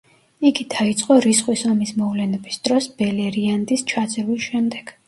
იგი დაიწყო რისხვის ომის მოვლენების დროს ბელერიანდის ჩაძირვის შემდეგ.